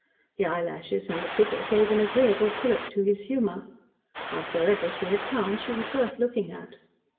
The eyelashes and the figure gave an agreeable fillip to his humour. Howsoever she had come, she was worth looking at.